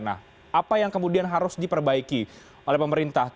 nah apa yang kemudian harus diperbaiki oleh pemerintah